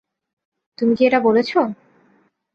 তুমি কি এটা বলেছো?